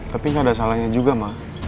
tapi gak ada salahnya juga ma